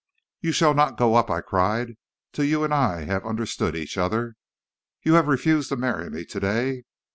"'You shall not go up,' I cried, 'till you and I have understood each other. You have refused to marry me to day.